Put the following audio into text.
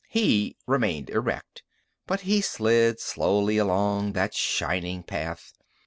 He remained erect, but he slid slowly along that shining path.